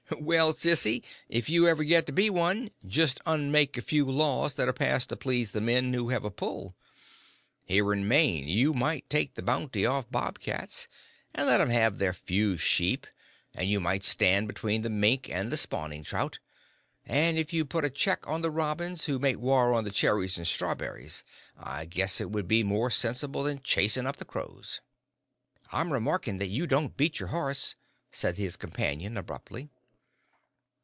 "Well, sissy, if you ever get to be one, just unmake a few laws that are passed to please the men who have a pull. Here in Maine you might take the bounty off bob cats, an' let 'em have their few sheep, an' you might stand between the mink and the spawning trout, and if you want to put a check on the robins who make war on the cherries an' strawberries, I guess it would be more sensible than chasing up the crows." "I'm remarkin' that you don't beat your horse," said his companion, abruptly.